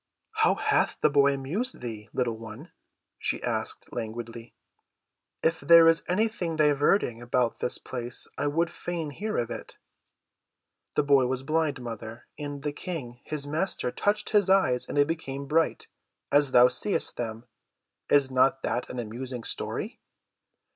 "How hath the boy amused thee, little one?" she asked languidly. "If there is anything diverting about this place I would fain hear of it." "The boy was blind, mother, and the King, his Master, touched his eyes and they became bright, as thou seest them. Is not that an amusing story?"